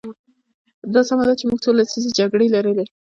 دا سمه ده چې موږ څو لسیزې جګړې لرلې.